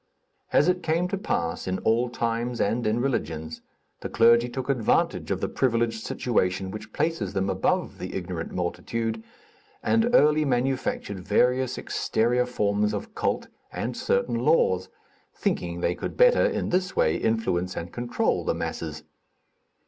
As it came to pass in all times and in religions, the clergy took advantage of the privileged situation which places them above the ignorant multitude, and early manufactured various exterior forms of cult and certain laws, thinking they could better, in this way, influence and control the masses.